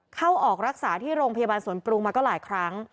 เข้าออกรักษาที่โรงพยาบาลสวนปรุงมาก็หลายครั้ง